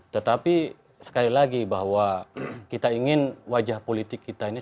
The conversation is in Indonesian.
tetapi sekali lagi bahwa kita ingin wajah politik kita ini